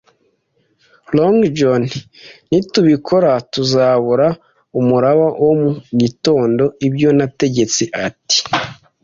Long John, “nitubikora, tuzabura umuraba wo mu gitondo!” “Ibyo nategetse!” ati: